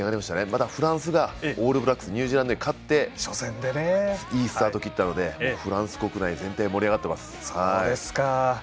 また、フランスがニュージーランドに勝っていいスタート切ったのでフランス国内全体盛り上がってます。